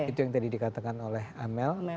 itu yang tadi dikatakan oleh amel